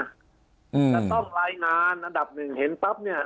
จะต้องรายงานอันดับหนึ่งเห็นปั๊บเนี่ย